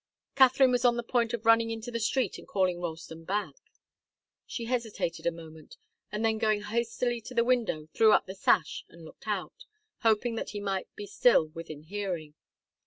Katharine was on the point of running into the street and calling Ralston back. She hesitated a moment, and then going hastily to the window threw up the sash and looked out, hoping that he might be still within hearing.